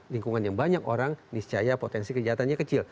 lingkungan yang banyak orang niscaya potensi kejahatannya kecil